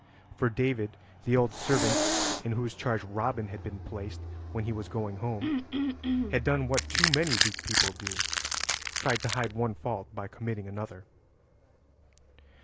For David, the old servant in whose charge Robin had been placed when he was going home, had done what too many weak people do, tried to hide one fault by committing another.